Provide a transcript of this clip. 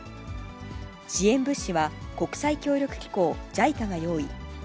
支援物資は、国際協力機構・ＪＩＣＡが用意。